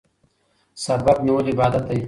سبب نیول عبادت دی.